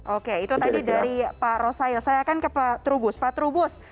oke itu tadi dari pak rosail saya akan ke pak trubus pak trubus